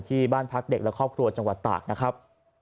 ที่บ้านพักเด็กและครอบครัวจังหวัดตากนะครับ